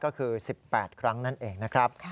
ก็คือ๑๘ครั้งนั่นเองนะครับ